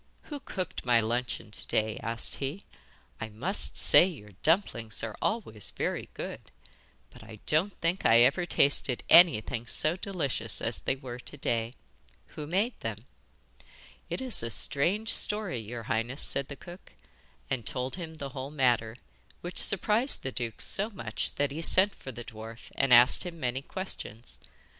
'Who cooked my luncheon to day?' asked he. 'I must say your dumplings are always very good; but I don't think I ever tasted anything so delicious as they were to day. Who made them?' 'It is a strange story, your highness,' said the cook, and told him the whole matter, which surprised the duke so much that he sent for the dwarf and asked him many questions.